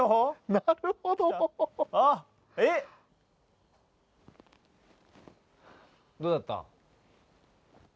なるほどあっえっどうだった？